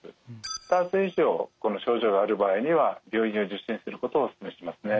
２つ以上この症状がある場合には病院を受診することをお勧めしますね。